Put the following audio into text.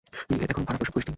তুই এখনো ভাড়া পরিশোধ করিস নি।